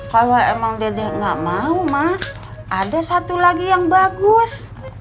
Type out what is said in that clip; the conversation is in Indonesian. kalau emang dedek nggak mau mak ada satu lagi yang bagus